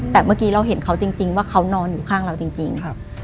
แต่เมื่อกี้เราเห็นเขาจริงว่าเขานอนอยู่ข้างเราจริง